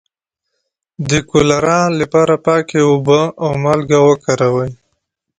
د کولرا لپاره پاکې اوبه او مالګه وکاروئ